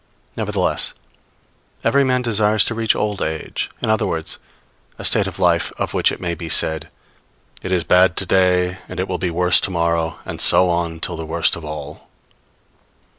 Nevertheless, every man desires to reach old age; in other words, a state of life of which it may be said: "It is bad to day, and it will be worse to morrow; and so on till the worst of all."